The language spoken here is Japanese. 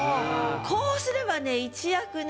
こうすればね一躍ね。